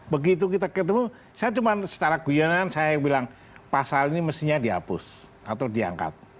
begitu kita ketemu saya cuma secara guyonan saya bilang pasal ini mestinya dihapus atau diangkat